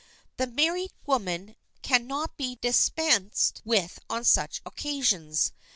The married woman can not be dispensed with on such occasions.